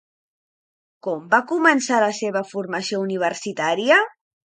Com va començar la seva formació universitària?